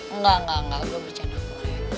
enggak enggak enggak gue bercanda kuriku